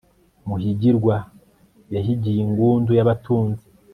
muhigirwa yahigiye ingundu y'abatunzi